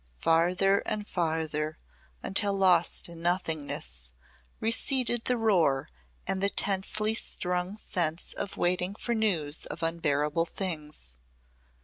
Farther and farther, until lost in nothingness, receded the roar and the tensely strung sense of waiting for news of unbearable things.